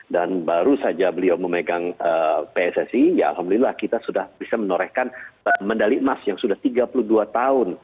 dan baru saja beliau memegang pssi ya alhamdulillah kita sudah bisa menorehkan mendali emas yang sudah tiga puluh dua tahun